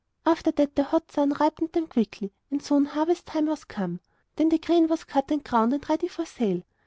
After that the hot sun ripened them quickly, and soon harvest time was come. Then the grain was cut and ground and ready for sale.